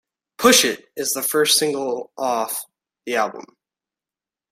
"Push It" is the first single off the album.